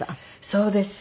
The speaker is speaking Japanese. そうです。